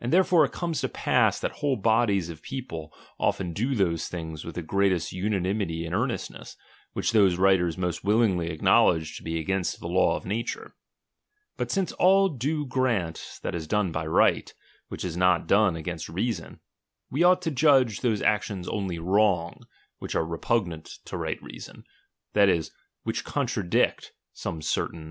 And therefore it comes to pass, that whole bodies of people often do those things with the greatest unanimity and earnestness, which those writers most willingly acknowledge to be against the law of na ture. But since all do grant, that is done by right, which is not done against reason, we ought to judge those actions only wrongs which are repugnant to fight reason, that is, which contradict some certain CHAP. II.